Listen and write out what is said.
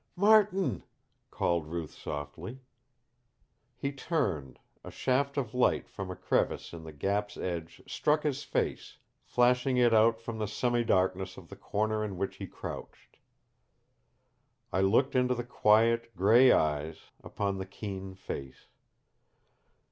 "Martin," called Ruth softly. He turned. A shaft of light from a crevice in the gap's edge struck his face, flashing it out from the semidarkness of the corner in which he crouched. I looked into the quiet gray eyes, upon the keen face.